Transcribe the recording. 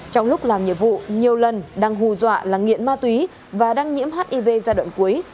trong lúc làm nhiệm vụ nhiều lần đang hù dọa là nghiện ma túy và đang nhiễm hiv giai đoạn cuối